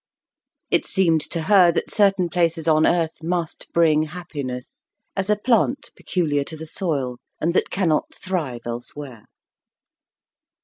It seemed to her that certain places on earth must bring happiness, as a plant peculiar to the soil, and that cannot thrive elsewhere.